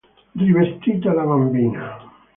Rivestita la bambina.